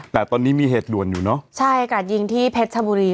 แต่ตอนนี้มีเหตุด่วนอยู่เนอะใช่กราดยิงที่เพชรชบุรี